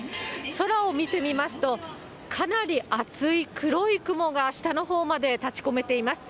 空を見てみますと、かなり厚い黒い雲が下のほうまで立ちこめています。